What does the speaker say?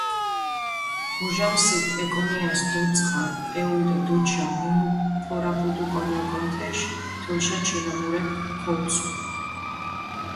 მუჟამსით ეკონიას დოწყარჷ პეული დო დუდშა მუნუფორაფუდუკონ ოკონ თეშ, თოლშა ჩილამურეფქ ქოუცუ.